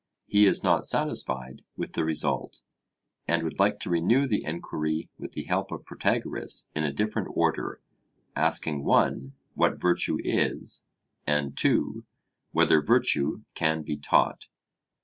He is not satisfied with the result, and would like to renew the enquiry with the help of Protagoras in a different order, asking (1) What virtue is, and (2) Whether virtue can be taught.